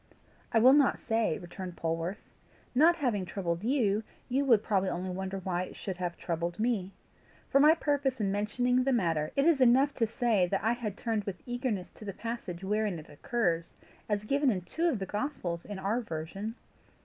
"I will not say," returned Polwarth. "Not having troubled you, you would probably only wonder why it should have troubled me. For my purpose in mentioning the matter, it is enough to say that I had turned with eagerness to the passage wherein it occurs, as given in two of the gospels in our version.